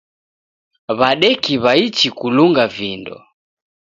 W'adeki w'aichi kulunga vindo.